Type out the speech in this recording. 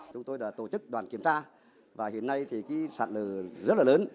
chúng tôi đã tổ chức đoàn kiểm tra và hiện nay sạt lở rất lớn